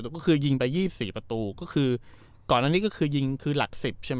ก็คือยิงไป๒๔ประตูก่อนอันนี้ก็คือหลัก๑๐ใช่ไหม